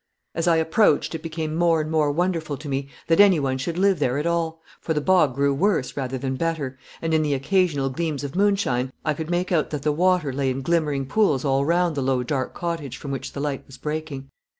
As I approached it became more and more wonderful to me that any one should live there at all, for the bog grew worse rather than better, and in the occasional gleams of moonshine I could make out that the water lay in glimmering pools all round the low dark cottage from which the light was breaking.